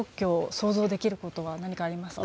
想像できることは何かありますか。